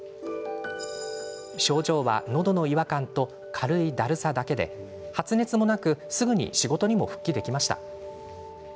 症状は、のどの違和感と軽いだるさだけで、発熱もなくすぐに仕事にも復帰できました。